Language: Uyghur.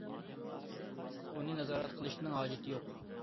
ئۇنى نازارەت قىلىشنىڭ ھاجىتى يوق.